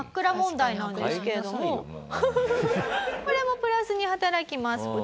これもプラスに働きます。